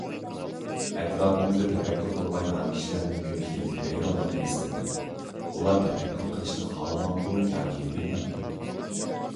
ئەتراپىمدا تەپەككۇر قىلمايدىغان كىشىلەرنىڭ كۆپلۈكىدىن ھەيرانلىق ھېس قىلدىم. ئۇلار تەپەككۇر قىلىشنى خالىمامدۇ ياكى بىلمەمدۇ؟